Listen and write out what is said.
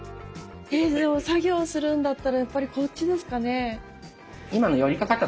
作業するんだったらやっぱりこっちですかね。